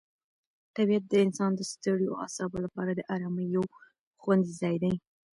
طبیعت د انسان د ستړیو اعصابو لپاره د آرامۍ یو خوندي ځای دی.